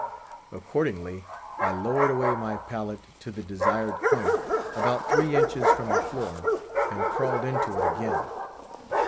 Accordingly, I lowered away my pallet to the desired point—about three inches from the floor—and crawled into it again.